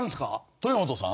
豊本さん？